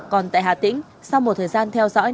còn tại hà tĩnh sau một thời gian theo dõi